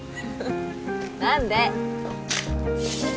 何で！